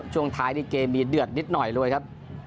ช่วงท้ายในเกมมีเดือดนิดหน่อยเลยครับ